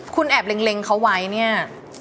คุณแอบเล็งเขาไว้เนี่ย